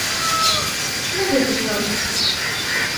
কেউ ব্যতিক্রম থাকবে না।